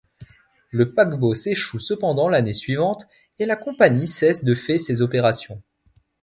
Le paquebot s'échoue cependant l'année suivante, et la compagnie cesse de fait ses opérations.